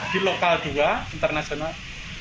di lokal dua internasional